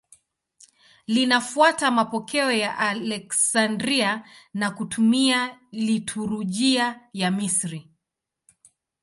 Linafuata mapokeo ya Aleksandria na kutumia liturujia ya Misri.